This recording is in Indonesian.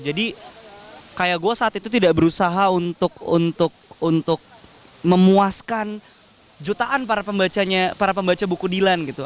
jadi kayak gue saat itu tidak berusaha untuk memuaskan jutaan para pembaca buku dilan gitu